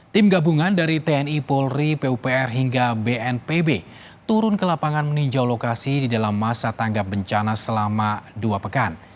tim gabungan dari tni polri pupr hingga bnpb turun ke lapangan meninjau lokasi di dalam masa tanggap bencana selama dua pekan